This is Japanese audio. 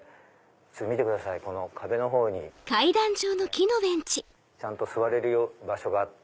見てくださいこの壁のほうにね。ちゃんと座れる場所があって。